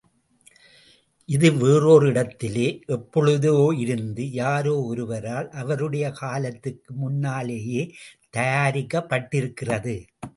இது வேறோர் இடத்திலே, எப்பொழுதோயிருந்த யாரோ ஒருவரால், அவருடைய, காலத்துக்கு முன்னாலேயே தயாரிக்கப் பட்டிருக்கிறது.